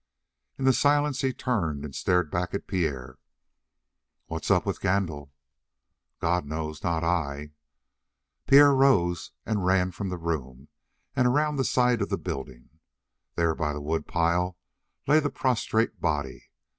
In the silence he turned and stared back at Pierre. "What's up with Gandil?" "God knows, not I." Pierre rose and ran from the room and around the side of the building. There by the woodpile lay the prostrate body.